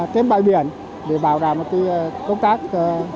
đến bãi biển để bảo đảm công tác thật tự